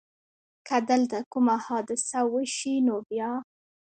که دلته کومه حادثه وشي نو بیا؟